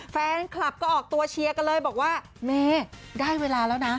แฟนคลับก็ออกตัวเชียร์กันเลยบอกว่าเมย์ได้เวลาแล้วนะ